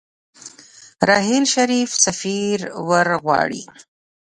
راحیل شريف سفير ورغواړي.